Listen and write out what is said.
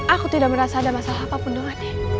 aku tidak merasa ada masalah apapun doanya